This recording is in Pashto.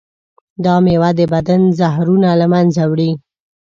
دا میوه د بدن زهرونه له منځه وړي.